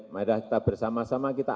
maaf kita bersama sama kita amat berhati hati